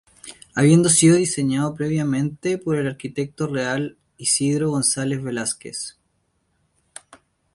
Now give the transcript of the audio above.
Habiendo sido diseñado previamente por el arquitecto real Isidro González Velázquez.